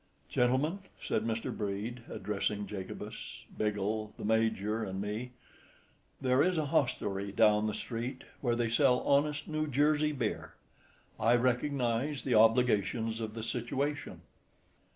"Gentlemen," said Mr. Brede, addressing Jacobus, Biggle, the Major and me, "there is a hostelry down the street where they sell honest New Jersey beer. I recognize the obligations of the situation."